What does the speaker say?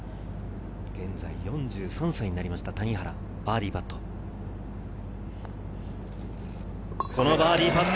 現在４３歳になりました谷原、バーディーパット。